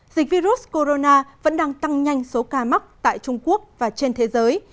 dịch virus corona vẫn đang tăng nhanh số ca mắc tại trung quốc và trên thế giới